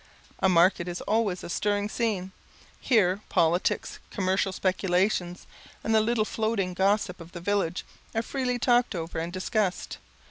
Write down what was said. A market is always a stirring scene. Here politics, commercial speculations, and the little floating gossip of the village, are freely talked over and discussed.